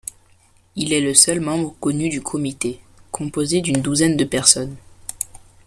Il est le seul membre connu du comité, composé d'une douzaine de personnes.